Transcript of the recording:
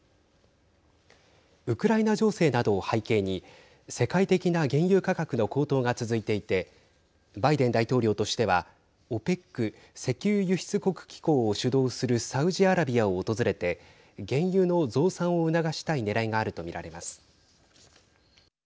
ウクライナ情勢などを背景に世界的な原油価格の高騰が続いていてバイデン大統領としてはＯＰＥＣ＝石油輸出国機構を主導するサウジアラビアを訪れて原油の増産を促したいねらいがあると見られます。